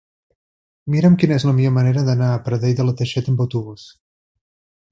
Mira'm quina és la millor manera d'anar a Pradell de la Teixeta amb autobús.